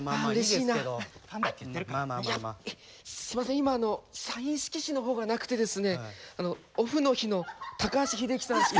今サイン色紙の方がなくてですねオフの日の高橋英樹さんしか。